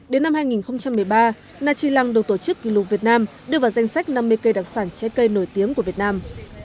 đến năm hai nghìn một mươi ba nachilang được tổ chức kỷ lục việt nam đưa vào danh sách năm mươi cây đặc sản trái cây nổi tiếng của việt nam